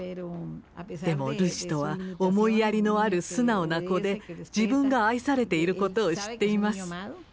でもルシトは思いやりのある素直な子で自分が愛されていることを知っています。